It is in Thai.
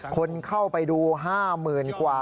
คนเข้าไปดู๕๐๐๐กว่า